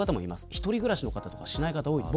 １人暮らしの方とか毎日しない方も多いです。